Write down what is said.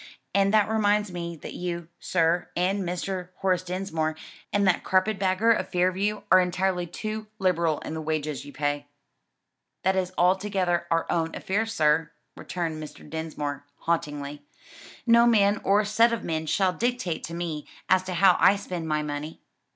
And that reminds me that you, sir, and Mr. Horace Dinsmore, and that carpet bagger of Fairview are entirely too liberal in the wages you pay." "That is altogether our own affair, sir," returned Mr. Dinsmore, haughtily. "No man or set of men shall dictate to me as to how I spend my money.